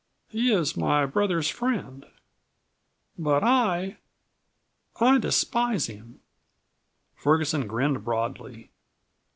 "He is my brother's friend. But I I despise him!" Ferguson grinned broadly.